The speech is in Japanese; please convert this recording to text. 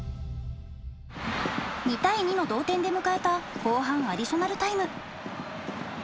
２対２の同点で迎えた後半アディショナルタイム。